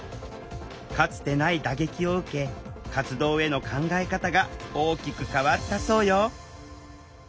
かつてない打撃を受け活動への考え方が大きく変わったそうよ